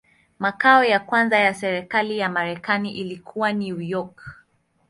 Makao ya kwanza ya serikali ya Marekani ilikuwa New York.